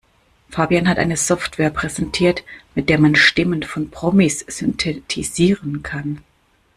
Fabian hat eine Software präsentiert, mit der man Stimmen von Promis synthetisieren kann.